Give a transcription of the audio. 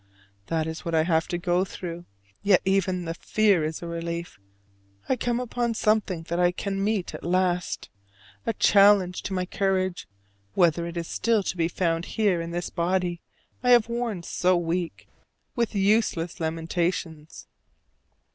That is what I have to go through. Yet even the fear is a relief: I come upon something that I can meet at last; a challenge to my courage whether it is still to be found here in this body I have worn so weak with useless lamentations.